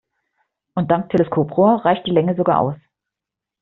Und dank Teleskoprohr reicht die Länge sogar aus.